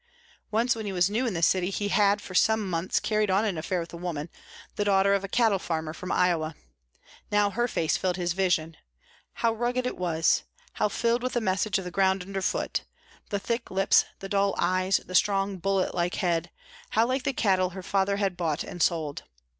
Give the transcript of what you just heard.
Once when he was new in the city he had, for some months, carried on an affair with a woman, the daughter of a cattle farmer from Iowa. Now her face filled his vision. How rugged it was, how filled with the message of the ground underfoot; the thick lips, the dull eyes, the strong, bullet like head, how like the cattle her father had bought and sold.